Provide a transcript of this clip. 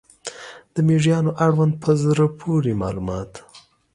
د مېږیانو اړوند په زړه پورې معلومات